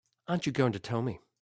Aren't you going to tell me?